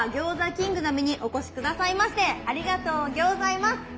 キングダムにお越し下さいましてありがとうギョーザいます。